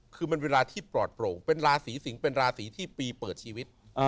คือมันเวลาที่ปลอดโปร่งเป็นราศีสิงศ์เป็นราศีที่ปีเปิดชีวิต